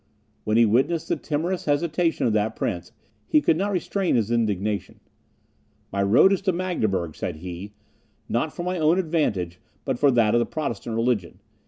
When he witnessed the timorous hesitation of that prince, he could not restrain his indignation: "My road is to Magdeburg," said he; "not for my own advantage, but for that of the Protestant religion.